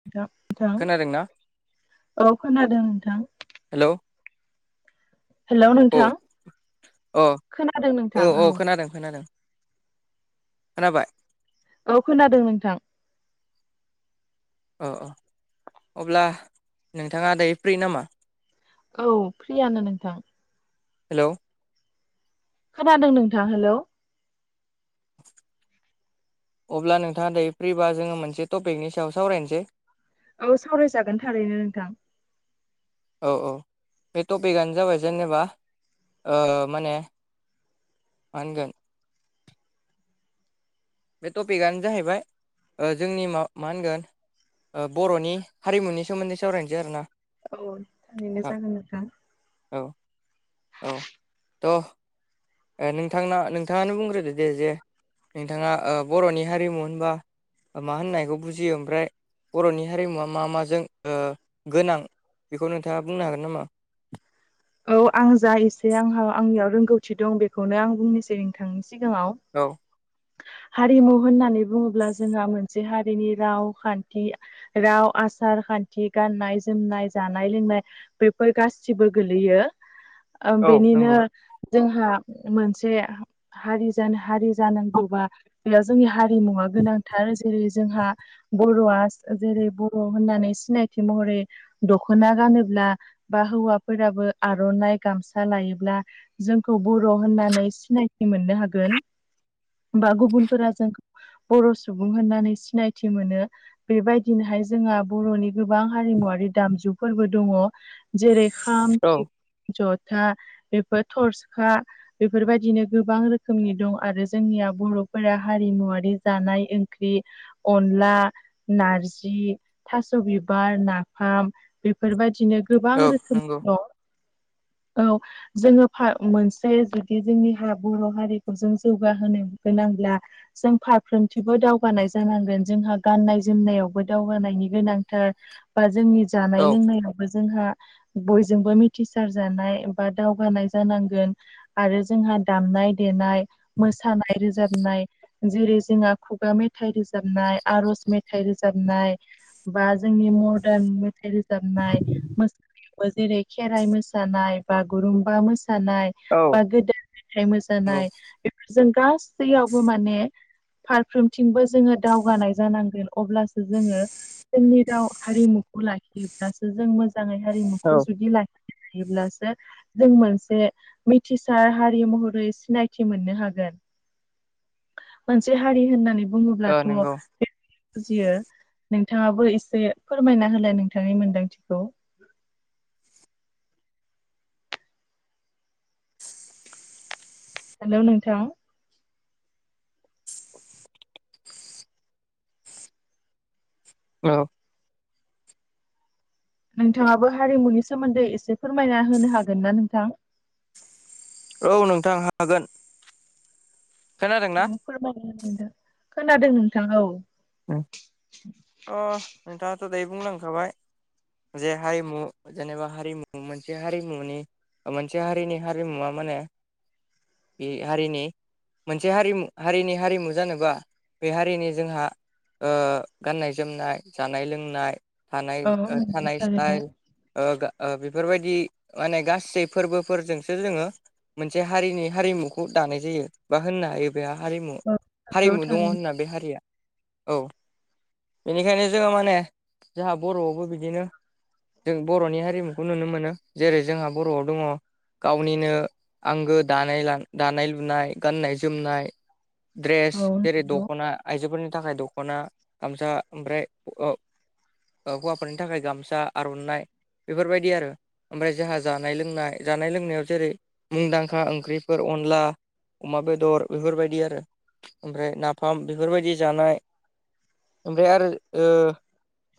नोंथां नोंथां खोनादोंना औ खोनादों नोंथां हेल' हेल' नोंथां अ खोनादों नोंथां औ खोनादों खोनादों खोनाबाय औ खोनादों नोंथां अ अ अब्ला नोंथाङा दायो फ्रि नामा औ फ्रियानो नोंथां हेल' खोनादों नोंथां हेल' अब्ला नोंथाङा दायो फ्रिबा जोङो मोनसे टपिकनि सायाव सावरायनोसै औ सावरायजागोन थारैनो नोंथां औ औ बे टपिकआनो जाबाय जेनेबा ओ माने मा होनगोन बे टपिकआनो जाहैबाय जोंनि मा मा होनगोन बर'नि हारिमुनि सोमोन्दै सावरायनोसै आरो ना औ थारैनो जागोन नोंथां औ औ त नोंथांना नोंथाङानो बुंग्रोदो दे जे नोंथाङा बर'नि हारिमु होनबा मा होननायखौ बुजियो ओमफ्राय बर'नि हारिमुवा मा माजों गोनां बेखौ नोंथाङा बुंनो हागोन नामा औ आं जा एसे आंहा आंनियाव रोंगौथि दं बेखौनो आं बुंनोसै नोंथांनि सिगाङाव औ हारिमु होननानै बुङोब्ला जोंहा मोनसे हारिनि रावखान्थि राव आसार खान्थि गाननाय जोमनाय जानाय लोंनाय बेफोर गासिबो गोगलैयो बेनिनो नंगौ जोंहा मोनसे हारि जानो हारि जानांगौबा बेयाव जोंनि हारिमुवा गोनांथार जेरै जोंहा बर'आ जेरै बर' होननानै सिनायथि महरै दख'ना गानोब्ला बा हौवाफोराबो आर'नाइ गामसा लायोब्ला जोंखौ बर' होननानै सिनायथि मोननो हागोन बा गुबुनफोरा जोंखौ बर' सुबुं होननानै सिनायथि मोनो बेबायदिनोहाय जोंहा बर'नि गोबां हारिमुवारि दामजुफोरबो दङ जेरै खाम औ जथा बेफोर थरसखा बेफोरबायदिनो गोबां रोखोमनि दं आरो जोंनिया बर'फोरा हारिमुवाआरि जानाय ओंख्रि अनला नारजि थास' बिबार नाफाम बेफोरबायदिनो गोबां रोखोम नंगौ औ जोङो मोनसे जुदि जोंनि बर' हारिखौ जों जौगाहोनो गोनांब्ला जों फारफ्रोमथिबो दावगानाय जानांगोन जोंहा गाननाय जोमनायावबो दावगानायनि गोनांथार बा जोंनि औ जानाय लोंनायावबो जोंहा बयजोंबो मिथिसारजानाय बा दावगानाय जानांगोन आरो जोंहा दामनाय देनाय मोसानाय रोजाबनाय जेरै जोंहा खुगा मेथाइ रोजाबनाय आरज मेथाइ रोजाबनाय जोंनि मदार्न मेथाइ रो जाबनाय मोसानायावबो जेरै खेराइ मोसानाय बागुरुम्बा मोसानाय नंगौ ओ बा गोदो मेथाइ मोसानाय बेफोरजों गासैयावबो माने फारफ्रोमथिंबो जोंङो दावगानाय जानांगोन अब्लासो जोंङो जोंनि राव हारिमुखौ लाखियोब्लासो जों मोजांङै हारिमुखौ जुदि [unintelligible] जों मोनसे मिथिसार हारि महरै सिनायथि मोननो हागोन मोनसे हारि होननानै बुङोब्लाथ' नंगौ बुजियो नोंथाङाबो एसे फोरमायना हला नोंथांनि मोनदांथिखौ हेलौ नोंथां औ नोंथांङाबो हारिमुनि सोमोन्दै एसे फोरमायना होनो हागोन ना नोंथां औ नोंथां हागोन खोनादों ना फोरमाय खोनादों नोंथां औ अ नोंथांङाथ' दायो बुंलांखाबाय जे हारिमु जेनेबा हारिमु मोनसे हारिमुनि मोनसे हारिनि हारिमुवा माने बे हारिनि मोनसे हारिमु हारिनि हारिमु जानोबा बे हारिनि जोंहा गाननाय जोमनाय जानाय लोंनाय थानाय औ नंगौ थानाय थारैनो स्टाइल बेफोरबायदि माने गासै फोरबोफोरजोंसो जोंङो मोनसे हारिनि हारिमुखौ दानाय जायो बा होननो हायो बे हारिमु औ नंगौ हारिमु दंङो थारैनो। होनना बे हारिया औ बेनिखायनो जोङो माने जाहा बर'आवबो बिदिनो जों बर'नि हारिमुखौ नुनो मोनो जेरै जोंहा बर'आव दङ गावनिनो आंगो दानाय ला दानाय लुनाय गाननाय जोमनाय ड्रेस औ जेरै नंगौ दख'ना आइजोफोरनि थाखाय दख'ना गामसा ओमफ्राय ओ हौवाफोरनि थाखाय गामसा आर'नाइ बेफोरबायदि आरो ओमफ्राय जोंहा जानाय लोंनाय जानाय लोंनायाव जेरै मुंदांखा ओंख्रिफोर अनला अमा बेदर बेफोरबायदि आरो ओमफ्राय नाफाम बेफोरबायदि जानाय ओमफ्राय आरो ओ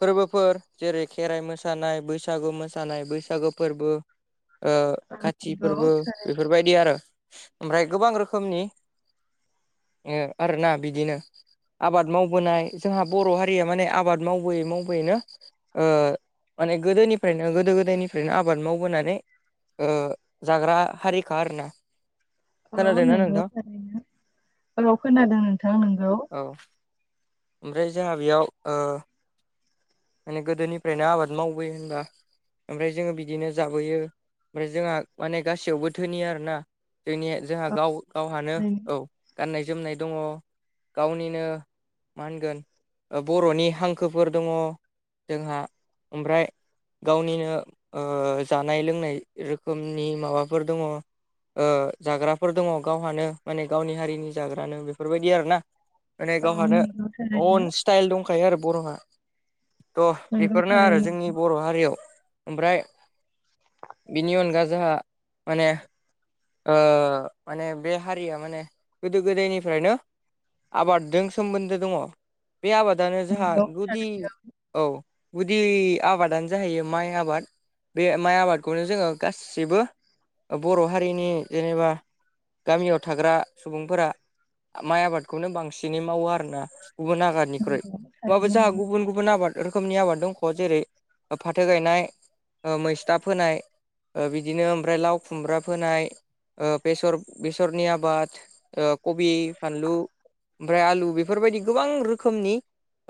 फोरबोफोर जेरै खेराइ मोसानाय बैसागु मोसानाय बैसागु फोरबो ओ औ खाथि नंगौ फोरबो बेफोरबायदि आरो ओमफ्राय गोबां रोखोमनि आरोना बिदिनो आबाद मावबोनाय जोंहा बर' हारिया माने आबाद मावबोयै मावबोयैनो ओ माने गोदोनिफ्रायनो गोदो गोदायनिफ्रायनो आबाद मावबोनानै ओ जाग्रा हारिखा आरोना औ खोनादोंना नोंगौ नोंथां थारैनो औ खोनादों नोंथां नोंगौ औ ओमफ्राय जोंहा बेयाव ओ माने गोदोनिफ्रायनो आबाद मावबोयो होनबा ओमफ्राय जोङो बिदिनो जाबोयो ओमफ्राय जोंहा माने गासैयावबो धोनि आरोना जोंनिया जोंहा औ गाव गावहानो थारैनो औ गाननाय जोमनाय दङ गावनिनो मा होनगोन बर'नि हांखोफोर दङ। जोंहा ओमफ्राय गावनिनो ओ जानाय लोंनाय रोखोमनि माबाफोर दङ ओ जाग्राफोर दङ गावहानो माने गावनि हारिनि जाग्रानो बेफोरबायदि आरोना माने औ गावहानो नंगौ थारैनो अन स्टाइल दंखायो आरो बर'हा थ' नंगौ बेफोरनो आरो थारैनो जोंनि बर' हारियाव ओमफ्राय बिनि अनगा जोंहा माने ओ माने बे हारिया माने गोदो गोदायनिफ्रायनो आबादजों सोमोन्दो दङ बे आबादानो जोंहा नंगौ गुदि थारैनो औ गुदि आबादानो जाहैयो माइ आबाद बे माइ आबादखौनो जोङो गासिबो बर' हारिनि जेनेबा गामियाव थाग्रा सुबुंफोरा माइ आबादखौनो बांसिनै मावो आरोना गुबुन आबादनिख्रुइ नंगौ ओमबाबो थारैनो जोंहा औ गुबुन गु बुन आबाद रोखोमनि आबाद दंख' जेरै फाथो गायनाय ओ मैस्था फोनाय ओ बिदिनो ओमफ्राय लाव खुमब्रा फोनाय ओ बेसर बेसरनि आबाद ओ कबि बानलु ओमफ्राय आलु बेफोरबायदि गोबां रोखोमनि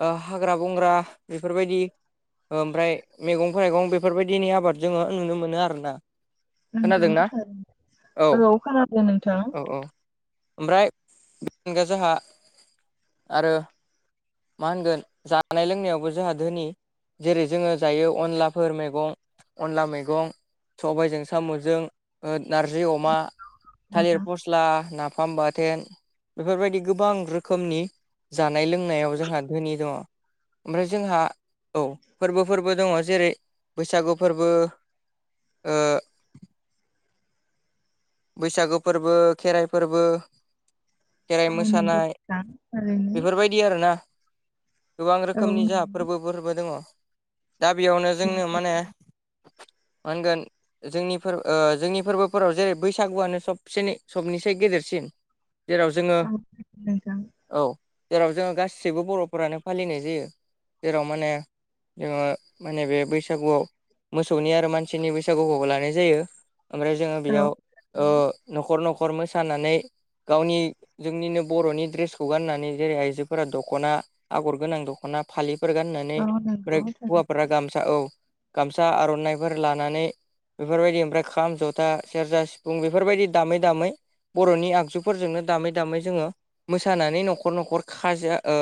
ओ हाग्रा बंग्रा बेफोरबायदि ओमफ्राय मैगं थाइगं बेफोरबायदिनि आबाद जोङो नुनो मोनो आरोना नोंगौ खोनादोंना [unintelligible] औ खोनादों नोंथां औ औ ओमफ्राय [unintelligible] जोंहा आरो मा होनगोन जानाय लोंनायावबो जोंहा धोनि जेरै जोङो जायो अनलाफोर मेगं अनला मैगं सबाइजों साम'जों ओ नारजै‌ अमा नोंथां थालिर फस स्ला नाफाम बाथोन बेफोरबायदि गोबां रोखोमनि जानाय लोंनायाव जोंहा धोनि दङ ओमफ्राय जोंहा औ फोरबो फोरबो दङ जेरै बैसागु फोरबो ओ बैसागो फोरबो खेराइ फोरबो खेराइ औ नंगौ मोसानाय नोंथां थारैनो बेफोरबाय दि आरोना गोबां औ रोखोमनि जोंहा नंगौ फोरबो फोरबो दङ दा बेयावनो जोङो माने मा होनगोन जोंनि जोंनि फोरबोफोराव जेरै बैसागुआनो सबसेनै सबनिसाय गेदेरसिन जेराव जोङो औ नोंथां औ जेराव जोङो गासिबो बर'फोरानो फालिनाय जायो जेराव माने जोङो माने बे बैसागुआव मोसौनि आरो मानसिनि बैसागुखौबो लानाय जायो ओमफ्राय जोङो औ बेयाव ओ नखर नखर मोसानानै गावनि जोंनिनो बर'नि ड्रेसखौ गाननानै जेरै आइजोफोरा दखना आगर गोनां दखना फालिफोर गाननानै औ नंगौ ओमफ्राय थारै हौवाफोरा गामसा औ गामसा आर'नाफोर लानानै बेफोरबायदि ओमफ्राय खाम जथा सेरजा सि बेफोरबायदि दामै दामै बर'नि आगजुफोरजोंनो दामै दामै जोङो मोसानानै नखर नखर खाजो ओ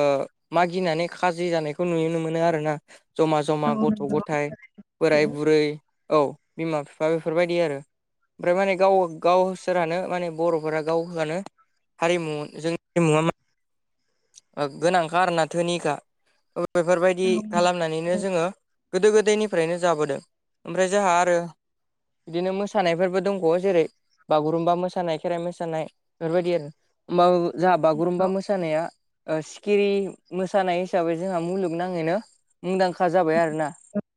मागिनानै खाजि जानायखौ नुनो मोनो आरोना जमा जमा औ गथ' नंगौ गथाइ बोराय थारैनो बुरै औ बिमा बिफा बेफोरबायदि आरो ओमफ्राय माने गाव गावसोरानो माने बर'फोरा गाव हानो हारिमु जोंनि हारिमुआ गोनांखा आरोना धोनिखा बैफोरबायदि औ नंगौ खालामनानैनो थारैनो जोङो गोदो गोदायनिफ्रायनो जाबोदों ओमफ्राय जोहा आरो बिदिनो मोसानायफोरबो दं बावो जेरै बागुरुम्बा मोसानाय खेराइ मोसानाय बेफोर बायदि आरो होमबा जोहा बागुरुम्बा औ मोसानाया ओ सिखिरि मोसानाय हिसाबै जोहा मुलुगनाङैनो मुंदांखा जाबाय आरोना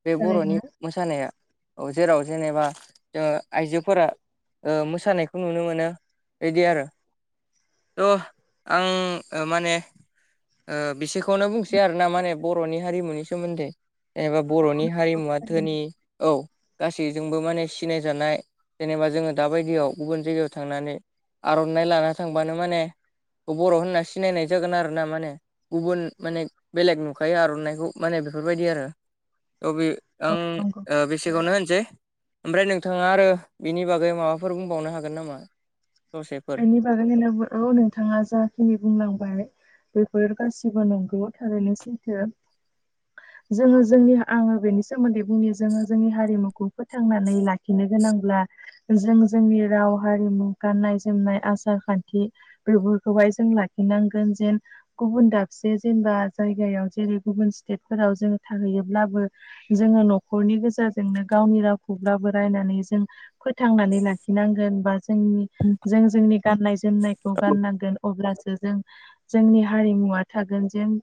बे बर'नि थारैनो औ मोसानाया औ जेराव जेनेबा जोङो ओ आइजोफोरा ओ मोसानायखौ नुनो मोनो इदि आरो थ' ओ आं माने ओ बिसेखौनो बुंसै आरो ना माने बर'नि हारिमुनि सोमोन्दै एबा बर'नि हारिमुवा धोनि थारैनो औ गासैजोंबो माने सिनायजानाय जेनेबा जोङो दाबायदियाव गुबुन जायगायाव थांनानै आर'नाइ लाना थांबानो माने बर' होनना सिनायनाय जागोन आरो ना माने गुबुन माने बेलेग नुखायो आर'नाइखौ माने बेफोर बायदि आरो औ बे आं औ नंगौ ओ बेसेखौनो होनसै ओमफ्राय नोंथाङा आरो बिनि बागै माबाफोर बुंबावनो हागोन नामा ससेफोर बागैनो नोबो औ नोंथाङा जाखिनि बुंलांबाय बेफोर गासिबो नंगौ थारैनो सैथो [inaudible] जोङो जोंनि आङो बेनि सोमोन्दै बुंनि जोङो जोंनि हारिमुखौ फोथांनानै लाखिनो गोनांब्ला जों जोंनि राव हारिमु गाननाय जो जोमनाय आसार खान्थि बेफोरखौहाय जों लाखिनांगोन जेन गुबुन दाबसे जेनेबा जायगायाव जेरै गुबुन स्टेटफोराव जोङो थाहैयोब्लाबो जोङो न'खरनि गोज जोंनो गावनि रावखौब्लाबो रायनानै जों फोथांनानै लाखिनांगोन बा जोंनि जों जोंनि गाननाय जोमनायखौ गाननांगोन अब्लासो जों जोंनि हारिमुवा थागोन जेन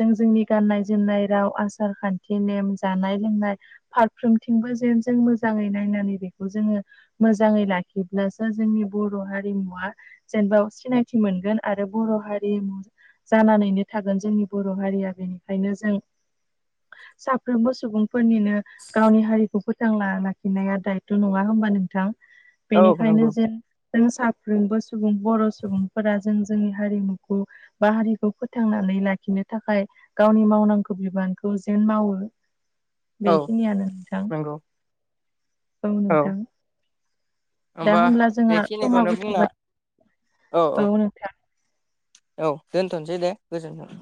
जों जोंनि गाननाय जोमनाय राव आसार खान्थि नेम जानाय लोंनाय फारफ्रोमथिंबो जेन जों मोजाङै नायनानै बेखौ जोङो मोजाङै लाखिब्लासो जोंनि बर' हारिमुवा जेनेबा सिनायथि मोनगोन आरो बर' हारिमु जानानैनो थागोन जोंनि बर' हारिया बेनिखायनो जों साफ्रोमबो सुबुंफोरनिनो गावनि हारिखौ फोथांना लाखिनाया दायथ' नङा होमबा नोंथां औ नंगौ बेनिखायनो जे जों साफ्रोमबो सुबुं बर' सुबुंफोरा जों जोंनि हारिमुखौ बा हारिखौ फोथांनानै लाखिनो थाखाय गावनि मावनांगौ बिबानखौ जेन मावो औ बेखिनियानो नोंथां नंगौ औ नोंथां दा होमबा होमब्ला जोंहा बेखिनिखौनो समाबो बुंना थौबाय औ नोंथां औ दोनथ'सै दे गोजोनथों